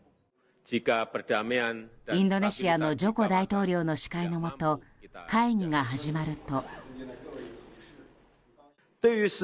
インドネシアのジョコ大統領の司会のもと、会議が始まると。